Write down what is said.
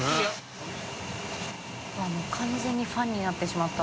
もう完全にファンになってしまった。